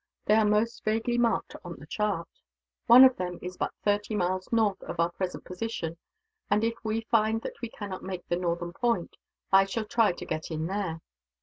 They are most vaguely marked on the chart. One of them is but thirty miles north of our present position and, if we find that we cannot make the northern point, I shall try to get in there.